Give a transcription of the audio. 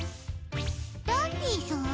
ダンディさん？